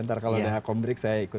ntar kalau ada yang ngomong saya ikut